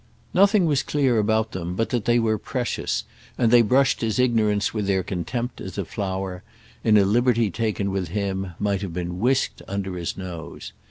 Nothing was clear about them but that they were precious, and they brushed his ignorance with their contempt as a flower, in a liberty taken with him, might have been whisked under his nose.